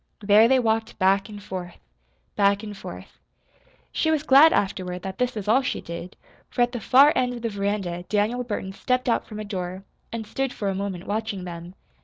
There they walked back and forth, back and forth. She was glad, afterward, that this was all she did, for at the far end of the veranda Daniel Burton stepped out from a door, and stood for a moment watching them.